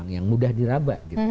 yang mudah diraba gitu